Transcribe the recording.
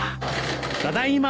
ただいま。